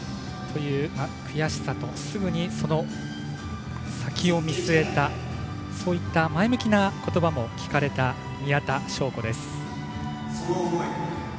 という、悔しさとすぐ先を見据えたそういった前向きなことばも聞かれた宮田笙子です。